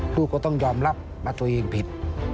ลูกก็ต้องยอมรับว่าตัวเองผิด